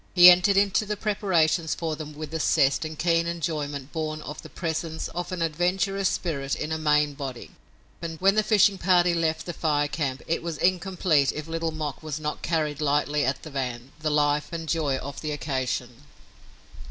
He entered into the preparations for them with a zest and keen enjoyment born of the presence of an adventurous spirit in a maimed body, and when the fishing party left the Fire Camp it was incomplete if Little Mok was not carried lightly at the van, the life and joy of the occasion.